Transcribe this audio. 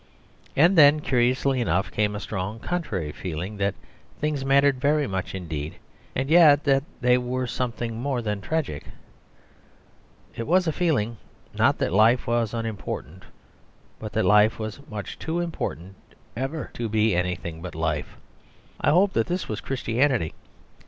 And then, curiously enough, came a very strong contrary feeling that things mattered very much indeed, and yet that they were something more than tragic. It was a feeling, not that life was unimportant, but that life was much too important ever to be anything but life. I hope that this was Christianity.